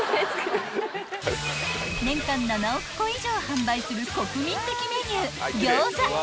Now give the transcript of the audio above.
［年間７億個以上販売する国民的メニュー餃子］